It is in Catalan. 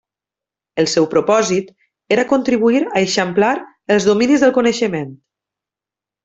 El seu propòsit era contribuir a eixamplar els dominis del coneixement.